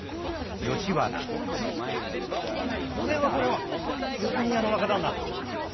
これはこれは三国屋の若旦那。